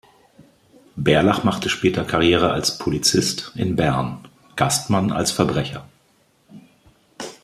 Bärlach machte später Karriere als Polizist in Bern, Gastmann als Verbrecher.